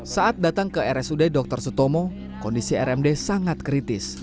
saat datang ke rsud dr sutomo kondisi rmd sangat kritis